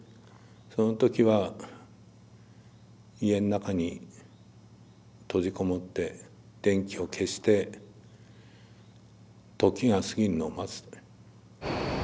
その時は家の中に閉じ籠もって電気を消して時が過ぎるのを待つ。